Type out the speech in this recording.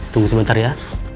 tunggu sebentar ya